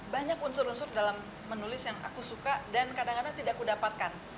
banyak unsur unsur dalam menulis yang aku suka dan kadang kadang tidak aku dapatkan